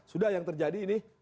sudah yang terjadi ini